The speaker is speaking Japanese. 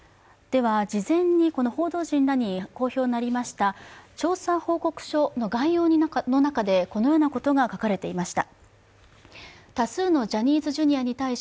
では、事前に報道陣らに公表になりました調査報告書の概要の中で、このようなことが書かれていました。